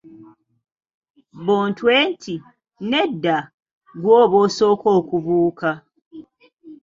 Bontwe nti, nedda, gw'oba osooka okubuuka.